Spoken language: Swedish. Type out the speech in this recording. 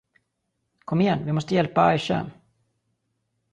Kom igen, vi måste hjälpa Aisha.